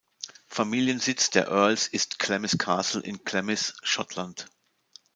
Familiensitz der Earls ist Glamis Castle in Glamis, Schottland.